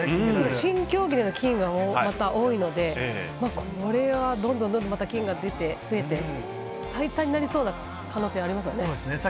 新競技の金が多いのでこれはどんどんまた金が増えて最多になりそうな可能性がありますね。